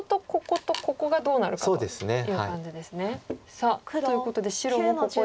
さあということで白もここでは。